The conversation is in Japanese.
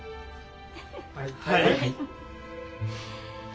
はい。